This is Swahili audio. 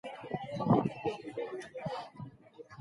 na ukubwa wa Kaya ni wastani wa watu wanne kwa Kaya